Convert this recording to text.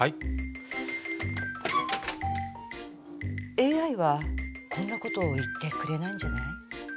ＡＩはこんなこと言ってくれないんじゃない？